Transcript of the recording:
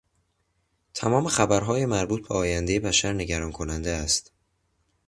تمام خبرهای مربوط به آیندهی بشر نگران کننده است.